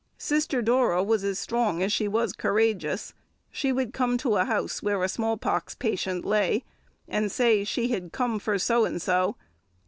Sister Dora was as strong as she was courageous; she would come to a house where a small pox patient lay, and say she had "come for" so and so.